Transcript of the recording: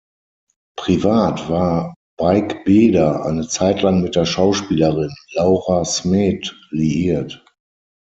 Privat war Beigbeder eine Zeit lang mit der Schauspielerin Laura Smet liiert.